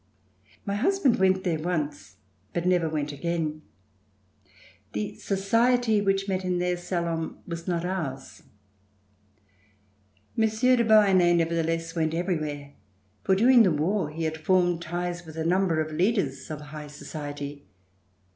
My husband went there once but never went again. The societv which met in their salon C3I'] RECOLLECTIONS OF THE REVOLUTION was not ours. Monsieur de Beauharnais nevertheless went everywhere, for during the war he had formed ties with a number of leaders of high society.